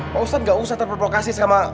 pak ustadz gak usah terprovokasi sama